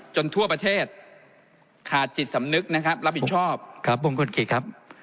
ทั่วประเทศขาดจิตสำนึกนะครับรับผิดชอบครับมงคลกิจครับ